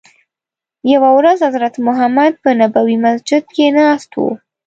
یوه ورځ حضرت محمد په نبوي مسجد کې ناست وو.